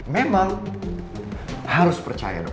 memang harus percaya dong